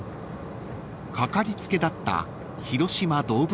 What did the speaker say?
［かかりつけだった広島動物病院］